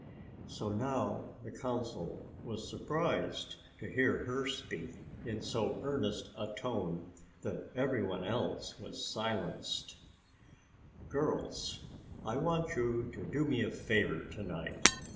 So now, the Council was surprised to hear her speak in so earnest a tone that every one else was silenced: "Girls, I want you to do me a favor to night.